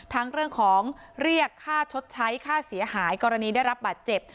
ทั้งเรื่องของเรียกค่าชดใช้ค่าเสียหายกรณีได้รับบาดเจ็บ